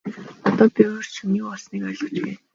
Одоо би урьд шөнө юу болсныг ойлгож байна.